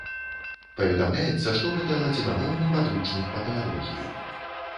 Паведамляецца, што гэта лацінамоўны падручнік па тэалогіі.